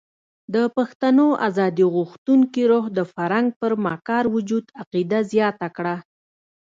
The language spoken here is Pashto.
د پښتنو ازادي غوښتونکي روح د فرنګ پر مکار وجود عقیده زیاته کړه.